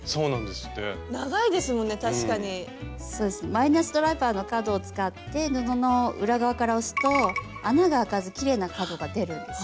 マイナスドライバーの角を使って布の裏側から押すと穴が開かずきれいな角が出るんです。